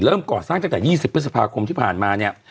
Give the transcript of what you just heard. เริ่มก่อสร้างจาก๒๐พฤษภาคมที่ผ่านมาเนี่ย